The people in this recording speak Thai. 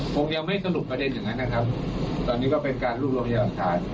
ผมยังไม่สรุปประเด็นอย่างนั้นนะครับตอนนี้ก็เป็นการลูกลงเยี่ยมขาด